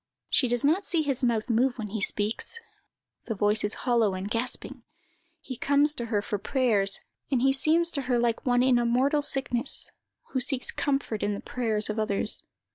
She does not see his mouth move when he speaks. The voice is hollow and gasping. He comes to her for prayers, and he seems to her like one in a mortal sickness, who seeks comfort in the prayers of others.